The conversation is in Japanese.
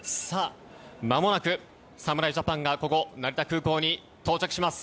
まもなく侍ジャパンがここ成田空港に到着します。